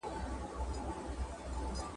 هره ورځ لکه پسونه کبابیږو لاندي باندي `